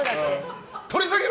取り下げろ！